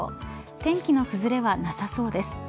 天気の崩れはなさそうです。